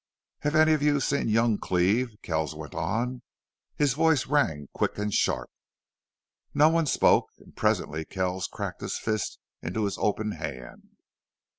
"Have any of you seen young Cleve?" Kells went on. His voice rang quick and sharp. No one spoke, and presently Kells cracked his fist into his open hand.